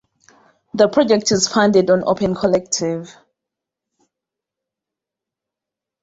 The project is funded on Open Collective.